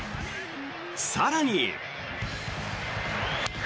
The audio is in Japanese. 更に。